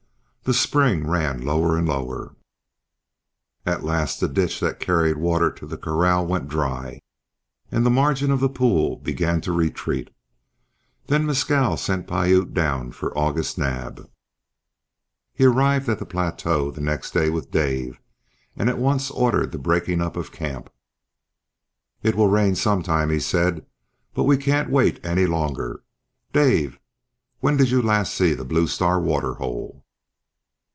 The spring ran lower and lower. At last the ditch that carried water to the corral went dry, and the margin of the pool began to retreat. Then Mescal sent Piute down for August Naab. He arrived at the plateau the next day with Dave and at once ordered the breaking up of camp. "It will rain some time," he said, "but we can't wait any longer. Dave, when did you last see the Blue Star waterhole?"